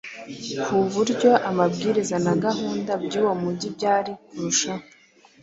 ku buryo amabwiriza na gahunda by’uwo mujyi byari kurushaho